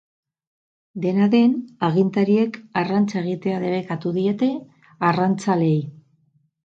Dena den, agintariek arrantza egitea debekatu diete arrantzaleei.